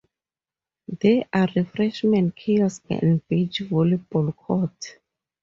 There are refreshment kiosk and beach volleyball court.